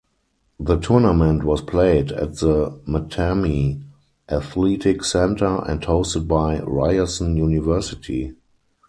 The tournament was played at the Mattamy Athletic Centre and hosted by Ryerson University.